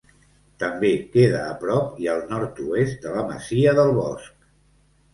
També queda a prop i al nord-oest de la masia del Bosc.